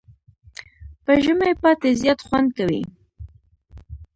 په ژمي پاتی زیات خوند کوي.